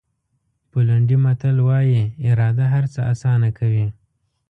پولنډي متل وایي اراده هر څه آسانه کوي.